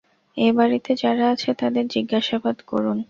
এ-বাড়িতে যারা আছে তাদের জিজ্ঞাসাবাদ করুন।